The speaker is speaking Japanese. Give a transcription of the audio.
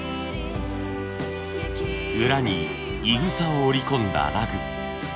裏にいぐさを織り込んだラグ。